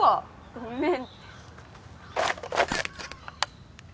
ごめん。